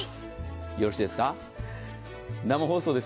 よろしいですか。